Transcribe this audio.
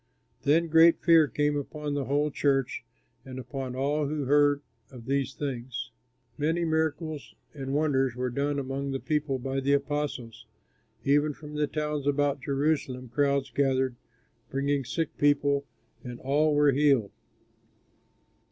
Then great fear came upon the whole church and upon all who heard of these things. Many miracles and wonders were done among the people by the apostles. Even from the towns about Jerusalem crowds gathered, bringing sick people, and all were healed.